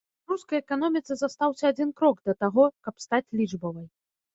Беларускай эканоміцы застаўся адзін крок да таго, каб стаць лічбавай.